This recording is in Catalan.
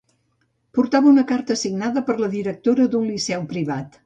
Portava una carta signada per la directora d’un liceu privat.